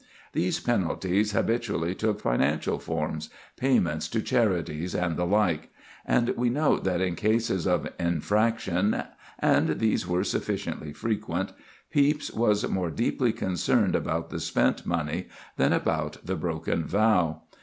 These penalties habitually took financial forms—payments to charities and the like; and we note that in cases of infraction—and these were sufficiently frequent—Pepys was more deeply concerned about the spent money than about the broken vow.